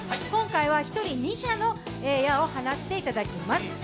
今回は１人２射の矢を放っていただきます。